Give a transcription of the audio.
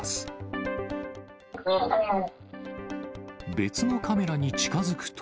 別のカメラに近づくと。